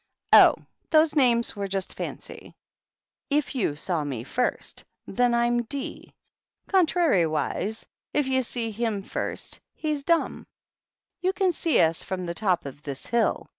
" Oh, those names were just fancy. If you s< me first, then I'm Dee ; contrariwise, if you s him first, he's Dum. You can see us from ti top of this hill.